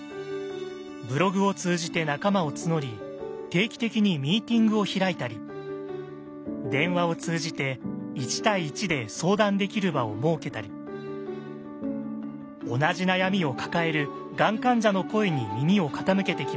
ブログを通じて仲間を募り定期的にミーティングを開いたり電話を通じて１対１で相談できる場を設けたり同じ悩みを抱えるがん患者の声に耳を傾けてきました。